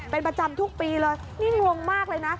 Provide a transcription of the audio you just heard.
เป็นประจำทุกปีเลยนี่งงมากเลยนะ